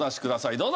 どうぞ。